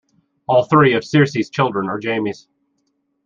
All three of Cersei's children are Jaime's.